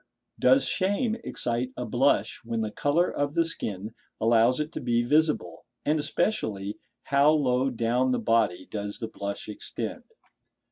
Does shame excite a blush when the colour of the skin allows it to be visible? and especially how low down the body does the blush extend?